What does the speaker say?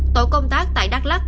tổ công tác tại đắk lắc